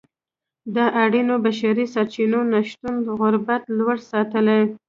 د اړینو بشري سرچینو نشتون غربت لوړ ساتلی.